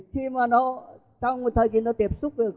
trong thời kỳ nó tiếp xúc